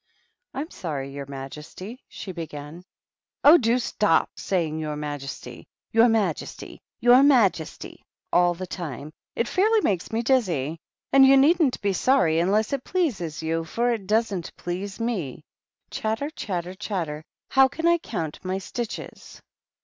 " I'm sorry, your majesty " she began. "Oh, do stop saying *your majesty,' *your majesty,' *your majesty' all the time; it fairly makes me dizzy. And you needn't be sorry unless it pleases you, for it doesn't please me. Chatter, chatter, chatter ! how can I count my stitches